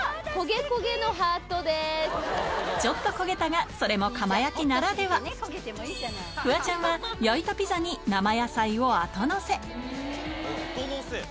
ちょっと焦げたがそれも窯焼きならではフワちゃんは焼いたピザに生野菜を後のせ後のせ？